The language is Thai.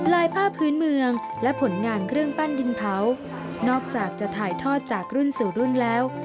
ลายผ้าพื้นเมืองและผลงานเครื่องปั้นดินเผานอกจากจะถ่ายทอดจากรุ่นสู่รุ่นแล้ว